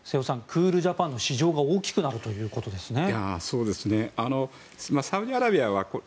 クールジャパンの市場が大きくなるということですね。